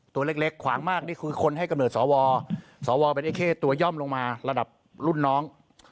ตัวเล็กขวางมากนี่คือคนให้กำเนิดสวสวเป็นไอ้เข้ตัวย่อมลงมาระดับรุ่นน้อง